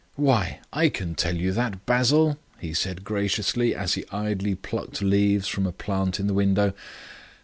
"Why, I can tell you that, Basil," he said graciously as he idly plucked leaves from a plant in the window.